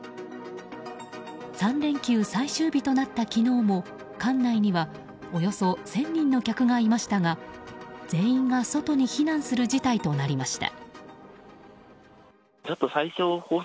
３連休最終日となった昨日も館内には、およそ１０００人の客がいましたが全員が外に避難する事態となりました。